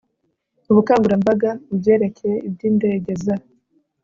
ubukagurambaga mu byerekeye iby indege za